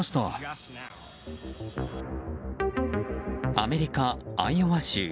アメリカ・アイオワ州。